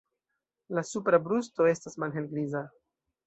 La supra brusto estas malhelgriza.